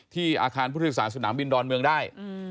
ที่อาคารพุทธศาสตร์สนามบินดอนเมืองได้